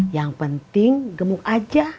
yang penting gemuk aja